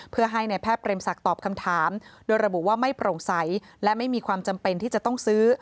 เพื่อให้ในแพทย์เปรมศักดิ์ตอบคำถามโดยระบุว่าไม่โปร่งใสและไม่มีความจำเป็นที่จะต้องซื้อ